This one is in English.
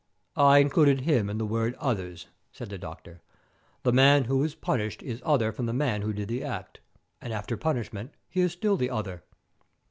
"I included him in the word 'others,'" said the doctor. "The man who is punished is other from the man who did the act, and after punishment he is still other."